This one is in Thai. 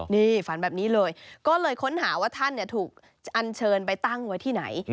นี่ฝันแบบนี้เลยก็เลยค้นหาว่าท่านถูกอันเชิญไปตั้งไว้ที่ไหน